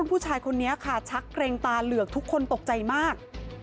ผู้ชายคนนี้ค่ะชักเกร็งตาเหลือกทุกคนตกใจมาก